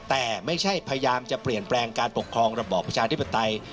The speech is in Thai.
แต่ไม่ใช่พยายามจะเปลี่ยนแปลงการปกครองระบอบประชาธิปไตย